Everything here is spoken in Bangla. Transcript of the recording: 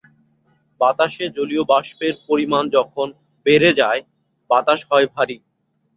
বাতাসে জলীয়বাষ্পের পরিমাণ যখন বেড়ে যায় বাতাস হয় ভারি।